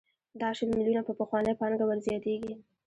دا شل میلیونه په پخوانۍ پانګه ورزیاتېږي